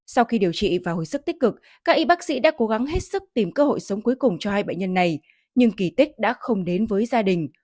sau khi điều trị và hồi sức tích cực các y bác sĩ đã cố gắng hết sức tìm cơ hội sống cuối cùng cho hai bệnh nhân này nhưng kỳ tích đã không đến với gia đình